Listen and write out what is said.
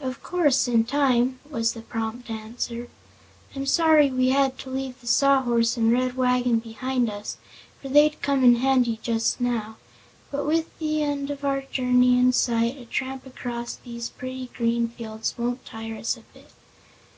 "Of course, in time," was the prompt answer. "I'm sorry we had to leave the Sawhorse and the Red Wagon behind us, for they'd come in handy just now; but with the end of our journey in sight a tramp across these pretty green fields won't tire us a bit."